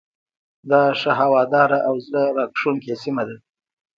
دا ښه هواداره او زړه راکښونکې سیمه ده.